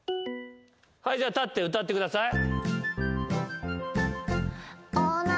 はいじゃあ立って歌ってください。